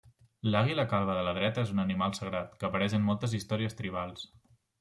L'àguila calba de la dreta és un animal sagrat, que apareix en moltes històries tribals.